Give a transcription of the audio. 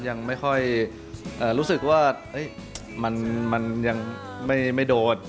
ยังไม่ค่อยรู้สึกว่ามันยังไม่โดด